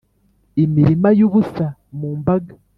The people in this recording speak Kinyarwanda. imirima yubusa mu mbaga